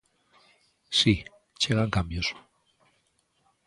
Si, chegan cambios.